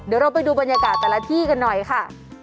เดี๋ยวเราไปดูบรรยากาศแต่ละที่กันหน่อยค่ะ